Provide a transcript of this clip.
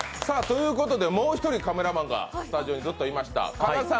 もう一人カメラマンがスタジオにずっといました。